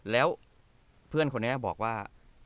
แล้วเพื่อนคนนี้บอกว่า